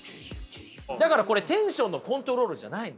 だからこれテンションのコントロールじゃないんですよ。